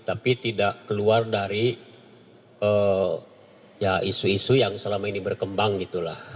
tapi tidak keluar dari isu isu yang selama ini berkembang gitu lah